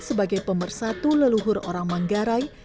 sebagai pemersatu leluhur orang manggarai